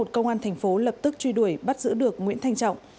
công an tp biên hòa lập tức truy đuổi bắt giữ được nguyễn thanh trọng